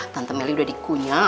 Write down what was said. tante melly udah dikunyah